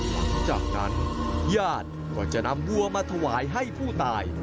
หลังจากนั้นญาติก็จะนำวัวมาถวายให้ผู้ตาย